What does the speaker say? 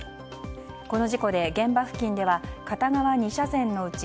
この事故で、現場付近では片側２車線のうち